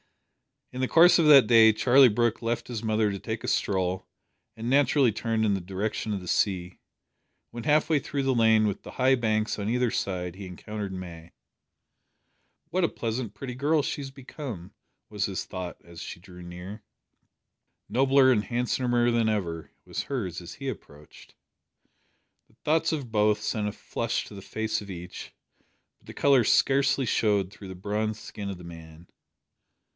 In the course of that day Charlie Brooke left his mother to take a stroll, and naturally turned in the direction of the sea. When half way through the lane with the high banks on either side he encountered May. "What a pleasant pretty girl she has become!" was his thought as she drew near. "Nobler and handsomer than ever!" was hers as he approached. The thoughts of both sent a flush to the face of each, but the colour scarcely showed through the bronzed skin of the man.